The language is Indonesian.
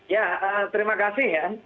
ya terima kasih ya